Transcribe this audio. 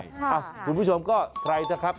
คุณผู้ชมก็ใครนะครับ